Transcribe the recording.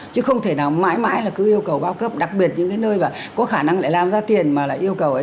chứ không thể nào mãi mãi là cứ yêu cầu bao cấp đặc biệt những cái nơi mà có khả năng lại làm ra tiền mà lại yêu cầu ấy